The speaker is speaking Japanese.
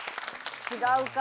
違うか。